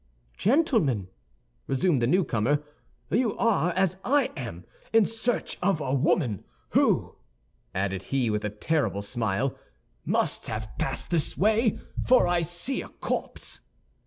"Gentlemen," resumed the newcomer, "you are, as I am, in search of a woman who," added he, with a terrible smile, "must have passed this way, for I see a corpse."